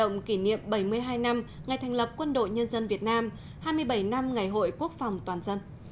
đồng thời đưa ra những thông tin về các hoạt động kỷ niệm bảy mươi hai năm ngày thành lập quân đội nhân dân việt nam hai mươi bảy năm ngày hội quốc phòng toàn dân